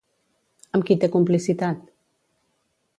Amb qui té complicitat?